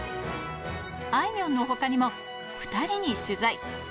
あいみょんのほかにも、２人に取材。